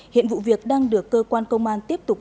hiện vụ việc đang được cơ quan công an tiếp tục